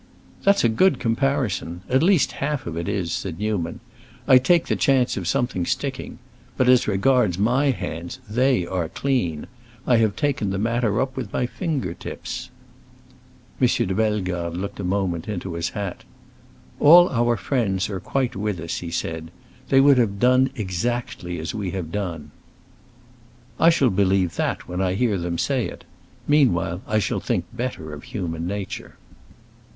"That's a good comparison; at least half of it is," said Newman. "I take the chance of something sticking. But as regards my hands, they are clean. I have taken the matter up with my finger tips." M. de Bellegarde looked a moment into his hat. "All our friends are quite with us," he said. "They would have done exactly as we have done." "I shall believe that when I hear them say it. Meanwhile I shall think better of human nature."